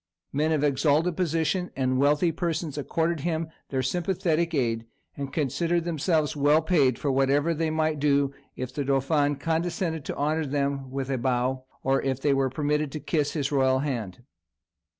Men of exalted position and wealthy persons accorded him their sympathetic aid, and considered themselves well paid for whatever they might do if "the dauphin" condescended to honour them with a bow, or if they were permitted to kiss his royal hand.